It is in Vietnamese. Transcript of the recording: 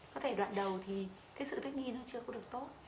có thể đoạn đầu thì cái sự thích nghi nó chưa có được tốt